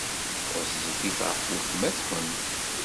Ɣezzifet ɣef weltma-twent.